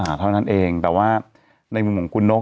อ่าเท่านั้นเองแต่ว่าในร่วมของคุณโน๊ก